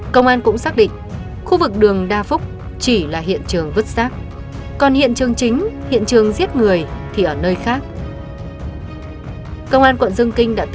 công an quận dương kinh thực hiện việc bảo vệ hiện trường chính và thu thập toàn bộ chứng cứ liên quan đến bị hại